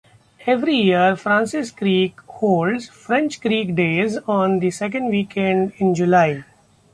Every year Francis Creek holds French Creek Days on the second weekend in July.